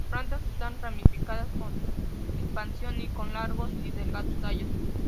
Las plantas están ramificadas, en expansión y con largos y delgados tallos.